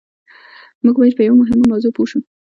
موږ بايد په يوه مهمه موضوع پوه شو.